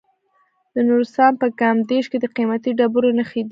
د نورستان په کامدیش کې د قیمتي ډبرو نښې دي.